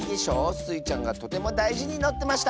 スイちゃんがとてもだいじにのってました！